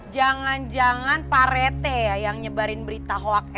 jangan jangan pak rete ya yang nyebarin berita hoax